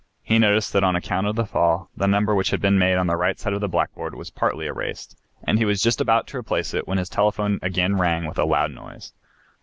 He noticed that on account of the fall the number which he had made on the right side of the blackboard was partly erased, and he was just about to replace it when his telephone again rang with a loud noise.